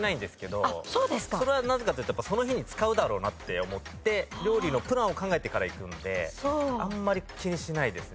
それはなぜかというとその日に使うだろうなって思って料理のプランを考えてから行くのであんまり気にしないですね。